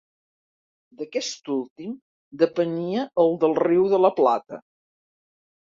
D'aquest últim depenia el del Riu de la Plata.